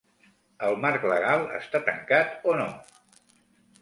El marc legal està tancat, o no?